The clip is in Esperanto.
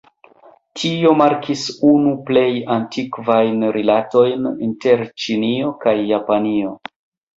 Tio markis unu plej antikvajn rilatojn inter Ĉinio kaj Japanio.